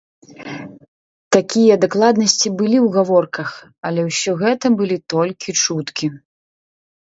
Такія дакладнасці былі ў гаворках, але ўсё гэта былі толькі чуткі.